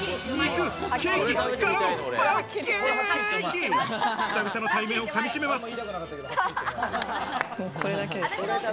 久々の対面を噛み締めます。